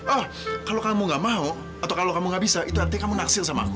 oh kalau kamu gak mau atau kalau kamu gak bisa itu artinya kamu naksir sama aku